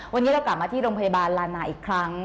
วันนี้เรากลับมาที่โรงพยาบาลลานาอีกครั้ง